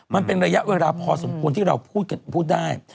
มันเป็นระยะเวลาพอสมควรที่เราพูดได้